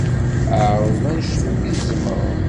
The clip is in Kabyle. Ɛreḍ anect umi tzemreḍ.